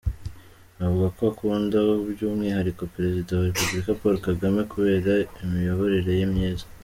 Avuga ko akunda by’umwihariko Perezida wa Repubulika Paul Kagame kubera imiyoborere ye myiza.